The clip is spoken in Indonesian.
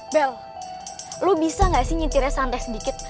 bel lo bisa gak sih nyitirnya santai sedikit